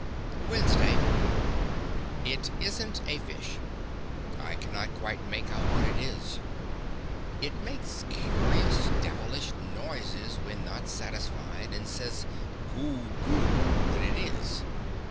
Wednesday It isn't a fish. I cannot quite make out what it is. It makes curious, devilish noises when not satisfied, and says "goo goo" when it is.